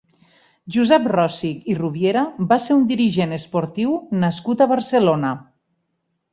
Josep Rosich i Rubiera va ser un dirigent esportiu nascut a Barcelona.